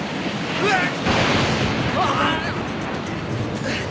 うわっ！